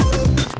wah keren banget